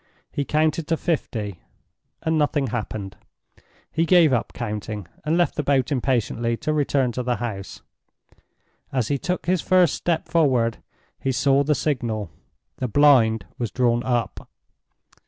He counted to fifty, and nothing happened. He gave up counting, and left the boat impatiently, to return to the house. As he took his first step forward he saw the signal. The blind was drawn up.